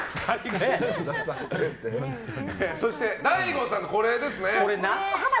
そして、大悟さんのこれですね。